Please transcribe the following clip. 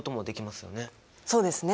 そうですね。